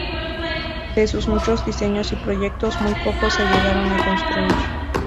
De sus muchos diseños y proyectos, muy pocos se llegaron a construir.